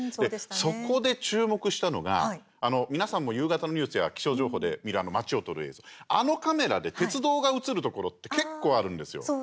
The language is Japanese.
そこで注目したのがあの、皆さんも夕方のニュースや気象情報で見るあの街を撮る映像あのカメラで鉄道が映るところって結構あるんですよ。